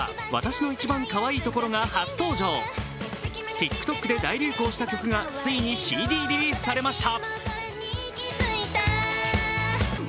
ＴｉｋＴｏｋで大流行した曲がついにＣＤリリースされました。